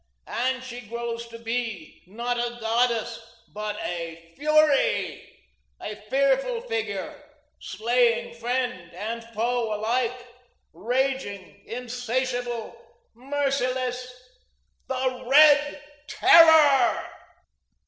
And she grows to be not a goddess, but a Fury, a fearful figure, slaying friend and foe alike, raging, insatiable, merciless, the Red Terror."